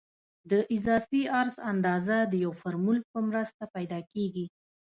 د اضافي عرض اندازه د یو فورمول په مرسته پیدا کیږي